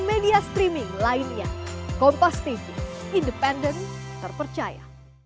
media streaming lainnya kompas tv independen terpercaya